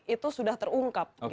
itu sudah terungkap